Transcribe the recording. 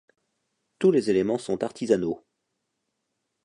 Tous les éléments sont artisanaux.